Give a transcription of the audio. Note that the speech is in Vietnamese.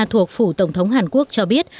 thuộc phủ tổng thống hàn quốc cho biết